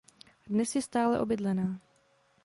Dnes je stále obydlená.